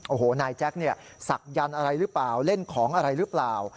โอ้โหนายแจ๊คเนี่ยศักดิ์อะไรหรือเปล่าเล่นของอะไรหรือเปล่า